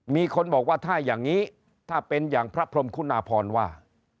มีคนบอกว่าถ้าอย่างนี้ถ้าเป็นอย่างพระพรมคุณาพรว่า